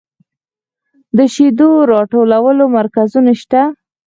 د شیدو راټولولو مرکزونه شته؟